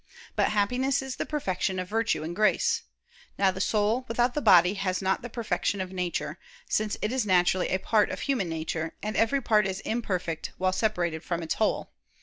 But Happiness is the perfection of virtue and grace. Now the soul, without the body, has not the perfection of nature; since it is naturally a part of human nature, and every part is imperfect while separated from its whole.